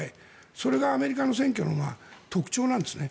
それがアメリカの選挙の特徴なんですね。